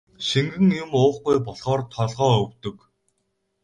Шингэн юм уухгүй болохоор толгой өвдөг.